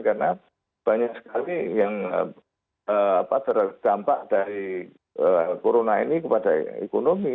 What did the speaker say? karena banyak sekali yang terdampak dari corona ini kepada ekonomi